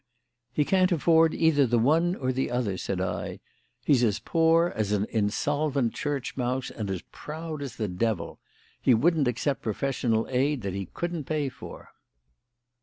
"He can't afford either the one or the other," said I. "He's as poor as an insolvent church mouse and as proud as the devil. He wouldn't accept professional aid that he couldn't pay for."